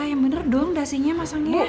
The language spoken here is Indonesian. yang bener dong nasinya masangnya